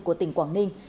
của tỉnh quảng ninh